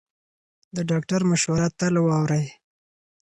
د ډاکټر مشوره تل واورئ.